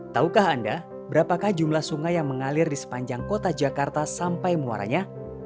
taukah anda berapakah jumlah sungai yang mengalir di sepanjang kota jakarta sampai muaranya